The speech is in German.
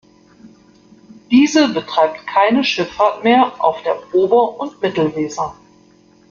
Diese betreibt keine Schifffahrt mehr auf der Ober- und Mittelweser.